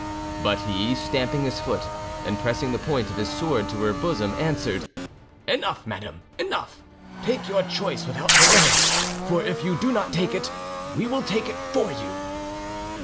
But he, stamping his foot and pressing the point of his sword to her bosom, answered— "Enough, madam, enough; take your choice without delay; for if you do not take it, we will take it for you."